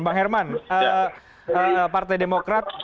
bang herman partai demokrat